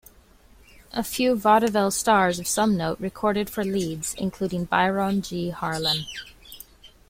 A few Vaudeville stars of some note recorded for Leeds, including Byron G. Harlan.